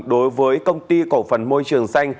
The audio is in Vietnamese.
đối với công ty cổ phần môi trường xanh